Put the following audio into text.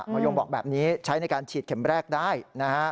โยงบอกแบบนี้ใช้ในการฉีดเข็มแรกได้นะฮะ